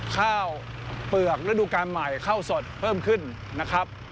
ข้าวเปลือกระดูกาลใหม่ข้าวสดเพิ่มขึ้นนะครับ